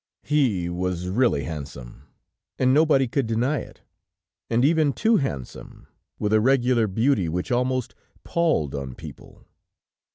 He was really handsome, and nobody could deny it, and even too handsome, with a regular beauty which almost palled on people.